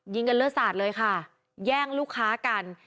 กันเลือดสาดเลยค่ะแย่งลูกค้ากัน